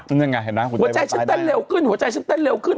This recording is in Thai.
นั่นยังไงนะหัวใจฉันเต้นเร็วขึ้น